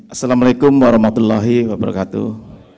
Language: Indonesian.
assalamu alaikum warahmatullahi wabarakatuh